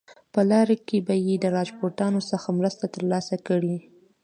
په لاره کې به د راجپوتانو څخه مرستې ترلاسه کړي.